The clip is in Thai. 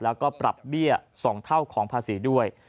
แล้วก็ปรับเบี้ย๒เท่าของภาษีด้วย